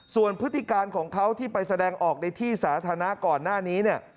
ส่วนพฤติการของเขาที่ไปแสดงออกในที่สาธารณะก่อนหน้านี้เนี่ย